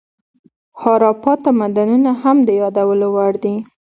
هاراپا تمدنونه هم د یادولو وړ دي.